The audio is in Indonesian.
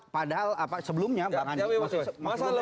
padahal sebelumnya bang ani